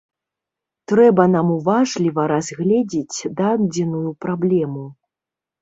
Трэба нам уважліва разгледзець дадзеную праблему.